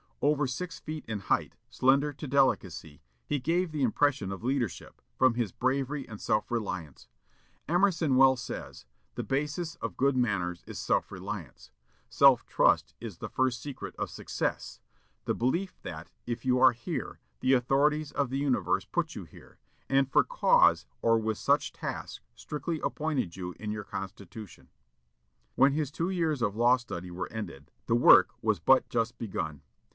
Over six feet in height, slender to delicacy, he gave the impression of leadership, from his bravery and self reliance. Emerson well says, "The basis of good manners is self reliance.... Self trust is the first secret of success; the belief that, if you are here, the authorities of the universe put you here, and for cause or with some task strictly appointed you in your constitution." When his two years of law study were ended, the work was but just begun.